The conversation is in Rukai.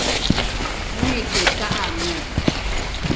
omiki ka’ange